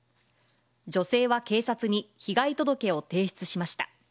女性は警察に、被害届を提出しました。